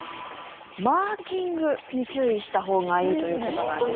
マーキングに注意した方がいいという事なんです。